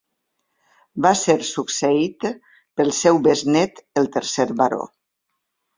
Va ser succeït pel seu besnét, el tercer baró.